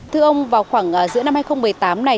thưa ông vào khoảng giữa năm hai nghìn một mươi tám này